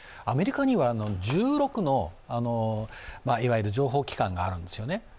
アメリカには１６の情報機関があるんですよね。